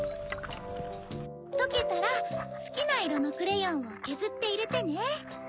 とけたらスキないろのクレヨンをけずっていれてね。